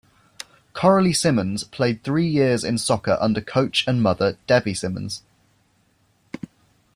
Coralie Simmons played three years in soccer under coach and mother Debbie Simmons.